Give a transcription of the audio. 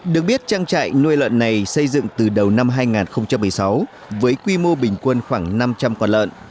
được biết trang trại nuôi lợn này xây dựng từ đầu năm hai nghìn một mươi sáu với quy mô bình quân khoảng năm trăm linh con lợn